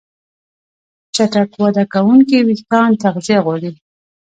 چټک وده کوونکي وېښتيان تغذیه غواړي.